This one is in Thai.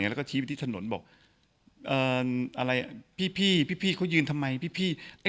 แล้วก็ชี้ไปที่ถนนบอกอะไรพี่เขายืนทำไมพี่